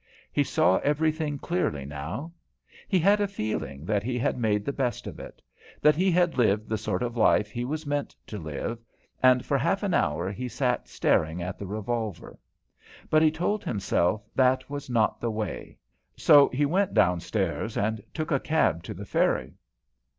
He saw everything clearly now. He had a feeling that he had made the best of it, that he had lived the sort of life he was meant to live, and for half an hour he sat staring at the revolver. But he told himself that was not the way, so he went downstairs and took a cab to the ferry.